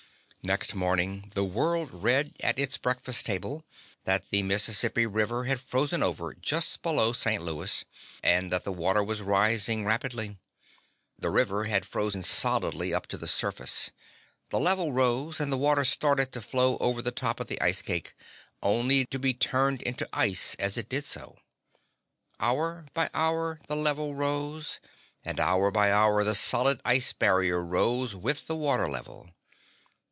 Next morning the world read at its breakfast table that the Mississippi River had frozen over just below St. Louis, and that the water was rising rapidly. The river had frozen solidly up to the surface. The level rose, and the water started to flow over the top of the ice cake, only to be turned into ice as it did so. Hour by hour the level rose, and hour by hour the solid ice barrier rose with the water level.